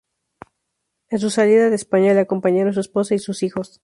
En su salida de España le acompañaron su esposa y sus hijos.